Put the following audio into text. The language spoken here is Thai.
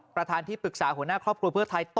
ประธานที่ปรึกษาหัวหน้าครอบครัวเพื่อไทยต่อ